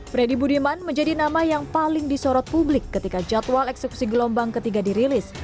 freddy budiman menjadi nama yang paling disorot publik ketika jadwal eksekusi gelombang ketiga dirilis